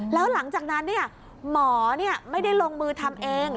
แล้วหลังจากนั้นหมอไม่ได้ลงมือทำเอง